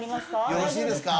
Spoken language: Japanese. よろしいですか？